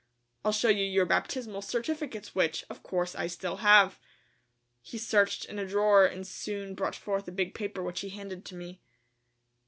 I'll show you your baptismal certificates which, of course, I still have." He searched in a drawer and soon brought forth a big paper which he handed to me.